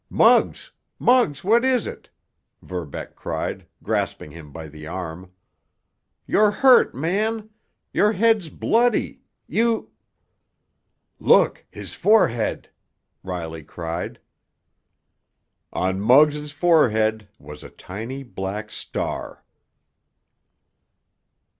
"Muggs! Muggs! What is it?" Verbeck cried, grasping him by the arm. "You're hurt, man! Your head's bloody! You——" "Look! His forehead!" Riley cried. On Muggs' forehead was a tiny black star!